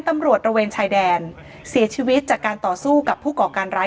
ตำรวจระเวนชายแดนเสียชีวิตจากการต่อสู้กับผู้ก่อการร้าย